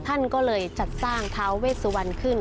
ท่านก็เลยจัดสร้างท้าเวสวันขึ้น